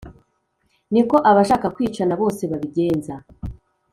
ni ko abashaka kwicana bose babigenza.»